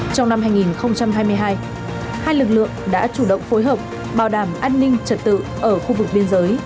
trong năm hai nghìn hai mươi hai hai lực lượng đã chủ động phối hợp bảo đảm an ninh trật tự ở khu vực biên giới